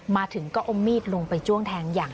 มาถึงก็อมมีดลงไปจ้วงแทง